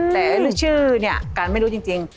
แต่ชื่อเนี่ยกันไม่รู้จริง